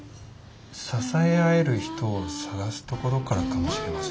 支え合える人を探すところからかもしれません。